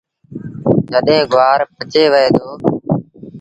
جڏهيݩ گُوآر پچي وهي دو۔